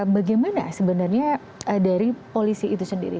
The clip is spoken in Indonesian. bagaimana sebenarnya dari polisi itu sendiri